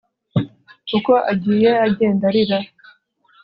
uko agiye, agenda arira